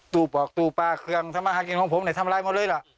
ตู้ปากตู้ปลาเครื่องสมาธิกิจของผมมันจะทำร้ายหมดเลยล่ะ